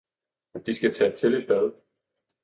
De skal tage til et bad!